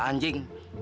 gak bisa dianggap